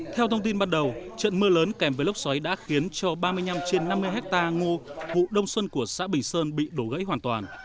theo thông tin ban đầu trận mưa lớn kèm với lốc xoáy đã khiến cho ba mươi năm trên năm mươi hectare ngô vụ đông xuân của xã bình sơn bị đổ gãy hoàn toàn